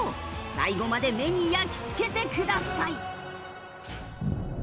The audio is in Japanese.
最後まで目に焼きつけてください。